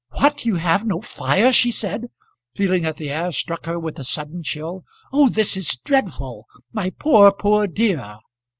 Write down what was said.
"What! you have no fire?" she said, feeling that the air struck her with a sudden chill. "Oh, this is dreadful! My poor, poor dear!"